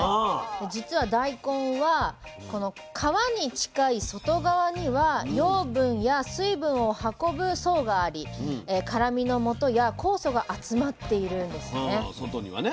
実は大根はこの皮に近い外側には養分や水分を運ぶ層があり辛みのもとや酵素が集まっているんですね。